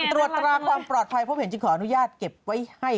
ตรวจตราความปลอดภัยพบเห็นจึงขออนุญาตเก็บไว้ให้